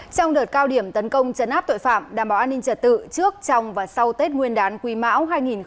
trong đợt cao điểm tấn công chấn áp tội phạm đảm bảo an ninh trật tự trước trong và sau tết nguyên đán quý mão hai nghìn hai mươi bốn